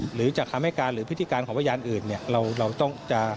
หรือจากคำให้การหรือพฤติการของพยานอื่น